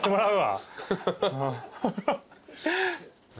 うわ